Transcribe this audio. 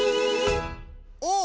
おお！